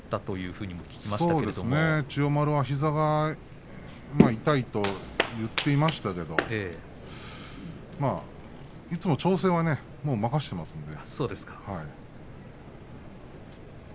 そうですね、千代丸は膝が痛いと言っていましたけれどもいつも調整を任せていますので。